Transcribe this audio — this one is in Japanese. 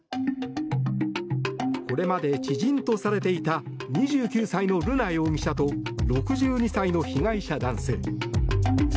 これまで知人とされていた２９歳の瑠奈容疑者と６２歳の被害者男性。